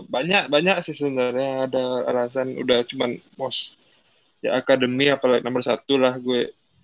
banyak banyak sih sebenarnya ada alasan udah cuma most ya akademi apalagi nomor satu lah gue